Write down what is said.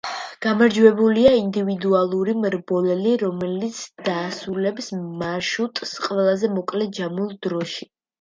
გამარჯვებულია ინდივიდუალური მრბოლელი, რომელიც დაასრულებს მარშრუტს ყველაზე მოკლე ჯამურ დროში.